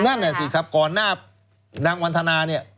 นั่นแหละสิครับก่อนหน้านางวันธนาเนี่ย